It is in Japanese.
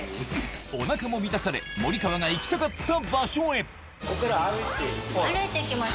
お腹も満たされ森川が行きたかった場所へ歩いて行きます。